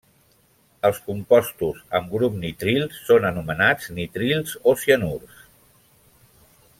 Els compostos amb grup nitril són anomenats nitrils o cianurs.